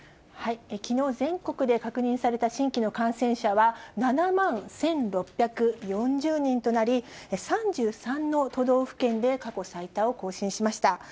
きのう、全国で確認された新規の感染者は７万１６４０人となり、３３の都道府県で過去最多を更新しました。